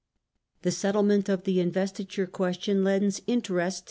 The settlement of the investiture question lends interest Henry v.